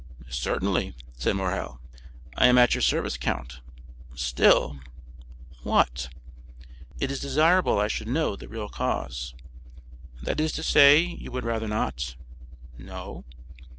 "Certainly," said Morrel, "I am at your service, count; still——" "What?" "It is desirable I should know the real cause." "That is to say, you would rather not?" "No."